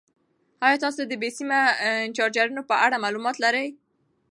ایا تاسو د بې سیمه چارجرونو په اړه معلومات لرئ؟